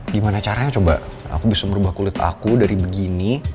gimana caranya coba aku bisa merubah kulit aku dari begini